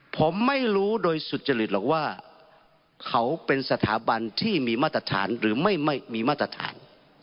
ผมไม่รู้โดยสุจริตหรอกว่าเขาเป็นสถาบันที่มีมาตรฐานหรือไม่ไม่มีมาตรฐาน